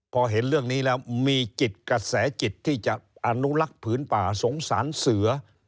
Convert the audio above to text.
พอเห็นเรื่องนี้แล้วมีจิตกระแสจิตที่จะอนุลักษ์ผืนป่าสงสารเสือ